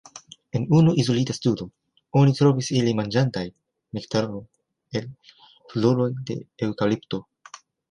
En unu izolita studo oni trovis ilin manĝantaj nektaron el floroj de eŭkalipto.